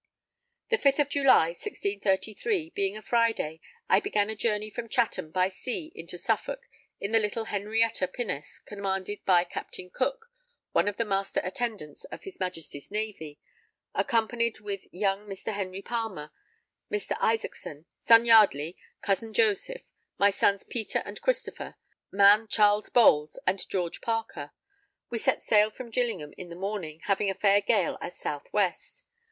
_ _The 5th of July, 1633, being a Friday, I began a journey from Chatham by sea into Suffolk in the little Henrietta pinnace commanded by Captain Cook, one of the Master Attendants of his Majesty's Navy, accompanied with young Mr. Henry Palmer, Mr. Isackson, son Yardley, cousin Joseph, my sons Peter and Christopher, man Charles Bowles, and George Parker. We set sail from Gillingham in the morning, having a fair gale at south west.